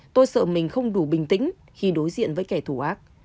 tôi sợ mình không đủ bình tĩnh khi đối diện với kẻ thù ác